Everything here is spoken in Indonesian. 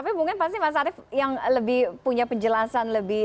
kita garupi kita